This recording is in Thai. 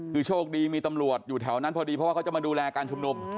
คือโชคดีมีตำรวจอยู่แถวนั้นพอดีเพราะว่าเขาจะมาดูแลการชุมนุม